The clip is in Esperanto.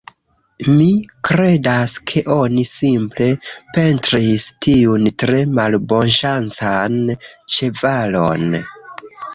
Mi kredas, ke oni simple pentris tiun tre malbonŝancan ĉevalon